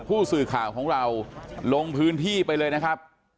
ผู้สื่อข่าวของเราลงพื้นที่ไปเลยนะครับ